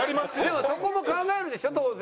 でもそこも考えるでしょ当然。